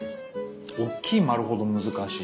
おっきい丸ほど難しい。